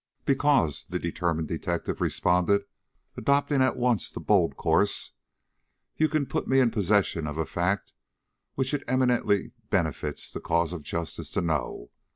"Because," the determined detective responded, adopting at once the bold course, "you can put me in possession of a fact which it eminently befits the cause of justice to know.